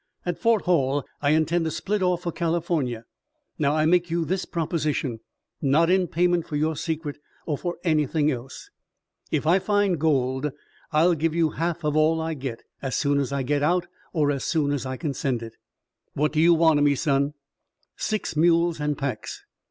At Fort Hall I intend to split off for California. Now I make you this proposition, not in payment for your secret, or for anything else: If I find gold I'll give you half of all I get, as soon as I get out or as soon as I can send it." "What do ye want o' me, son?" "Six mules and packs.